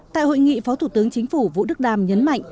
tại hội nghị phó thủ tướng chính phủ vũ đức đam nhấn mạnh